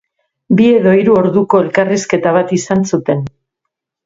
Bi edo hiru orduko elkarrizketa bat izan zuten.